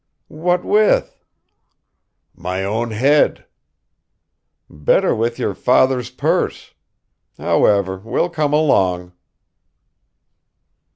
"What with?" "My own head." "Better with your father's purse. However, we'll come along."